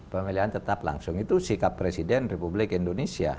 pemilihan tetap langsung itu sikap presiden republik indonesia